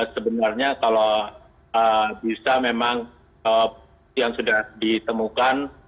sebenarnya kalau bisa memang yang sudah ditemukan